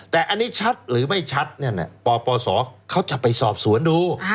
แต่อันนี้ชัดหรือไม่ชัดปปศเขาจะไปสอบสวนดู